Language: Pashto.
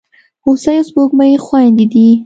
هوسۍ او سپوږمۍ خوېندي دي.